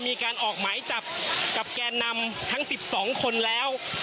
มีการออกหมายจับกับแกนนำทั้ง๑๒คนแล้ว